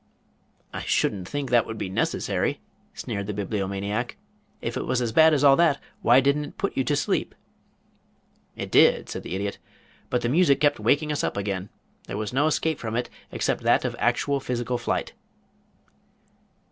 "I shouldn't think that would be necessary," sneered the Bibliomaniac. "If it was as bad as all that why didn't it put you to sleep?" "It did," said the Idiot. "But the music kept waking us up again. There was no escape from it except that of actual physical flight."